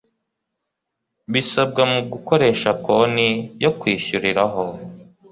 bisabwa mu gukoresha konti yo kwishyuriraho